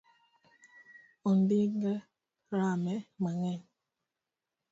Onding’e rame mang’eny